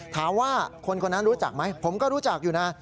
ถามว่าคนคนนั้นรู้จักไหมผมก็รู้จักอยู่นะ